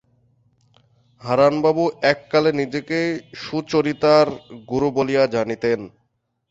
হারানবাবু এক কালে নিজেকেই সুচরিতার গুরু বলিয়া জানিতেন।